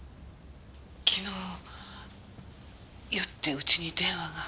昨日酔ってうちに電話が。